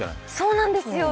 そうなんですよ！